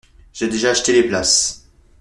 J'ai déjà acheté les places.